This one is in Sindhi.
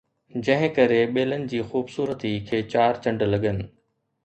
جنهن ڪري ٻيلن جي خوبصورتي کي چار چنڊ لڳن